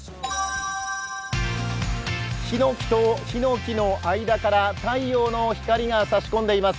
ひのきとひのきの間から太陽の光が差し込んでいます。